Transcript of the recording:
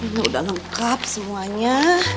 ini udah lengkap semuanya